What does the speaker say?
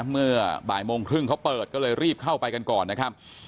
เมื่อบ่ายโมงครึ่งเขาเปิดก็เลยรีบเข้าไปกันก่อนนะครับ